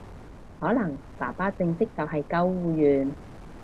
可能爸爸正職就係救護員